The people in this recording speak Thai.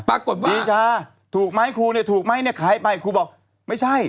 ปรากฏว่าปีชาถูกไหมครูเนี่ยถูกไหมเนี่ยขายไปครูบอกไม่ใช่